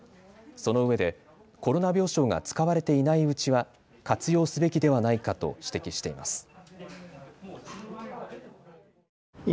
そのうえでコロナ病床が使われていないうちは活用すべきではないかと指摘しています。